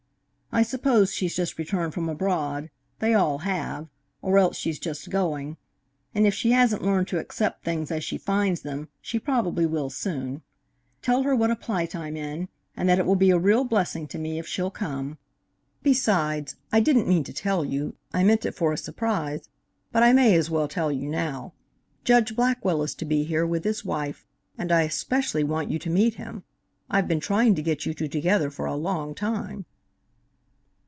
I suppose she's just returned from abroad they all have or else she's just going and if she hasn't learned to accept things as she finds them, she probably will soon. Tell her what a plight I'm in, and that it will be a real blessing to me if she'll come. Besides I didn't mean to tell you I meant it for a surprise, but I may as well tell you now Judge Blackwell is to be here, with his wife, and I especially want you to meet him. I've been trying to get you two together for a long time."